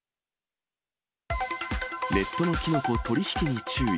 ネットのキノコ取り引きに注意。